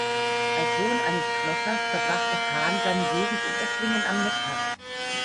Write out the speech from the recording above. Als Sohn eines Schlossers verbrachte Hahn seine Jugend in Esslingen am Neckar.